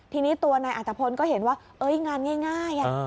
ทีนี้ตัวนายอัตภพลก็เห็นว่างานง่าย